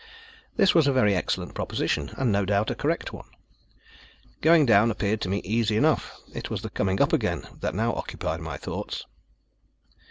This was a very excellent proposition, and no doubt, a correct one. Going down appeared to me easy enough; it was the coming up again that now occupied my thoughts.